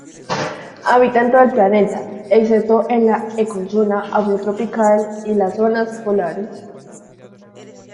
Habita en todo el planeta, excepto la ecozona afrotropical y las zonas polares.